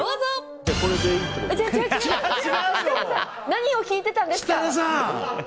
何を聞いてたんですか。